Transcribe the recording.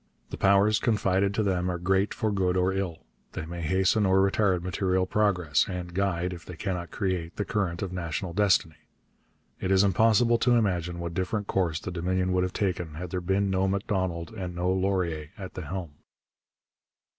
The powers confided to them are great for good or ill. They may hasten or retard material progress, and guide, if they cannot create, the current of national destiny. It is impossible to imagine what different course the Dominion would have taken had there been no Macdonald and no Laurier at the helm.